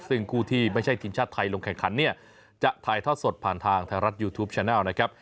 ซึ่งคู่ที่ไม่ใช่ทีมชาติไทยลงแข่งขันเนี่ยจะถ่ายทอดสดผ่านทางไทยรัฐยูทูปแชนัลนะครับ